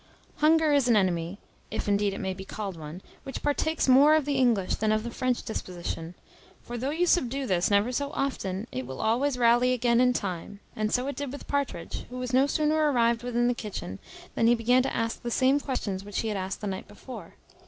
Hunger is an enemy (if indeed it may be called one) which partakes more of the English than of the French disposition; for, though you subdue this never so often, it will always rally again in time; and so it did with Partridge, who was no sooner arrived within the kitchen, than he began to ask the same questions which he had asked the night before.